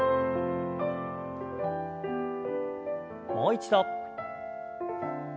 もう一度。